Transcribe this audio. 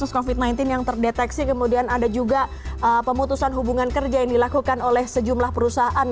kasus covid sembilan belas yang terdeteksi kemudian ada juga pemutusan hubungan kerja yang dilakukan oleh sejumlah perusahaan